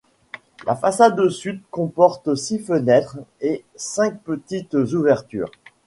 La façade sud comporte six fenêtres et cinq petites ouvertures.